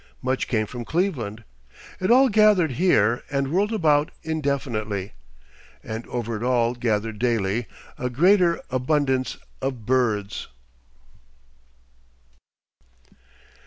Much came from Cleveland. It all gathered here, and whirled about indefinitely, and over it all gathered daily a greater abundance of birds.